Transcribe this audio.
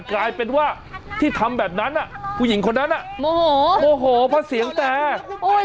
กลายเป็นว่าที่ทำแบบนั้นผู้หญิงคนนั้นโอ้โฮเพราะเสียงแตร